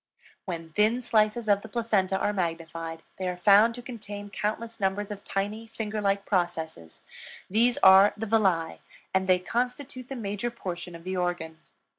When thin slices of the placenta are magnified they are found to contain countless numbers of tiny, finger like processes; these are the villi, and they constitute the major portion of the organ.